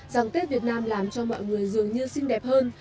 rằng tết việt nam làm cho mọi người dường như xinh đẹp hơn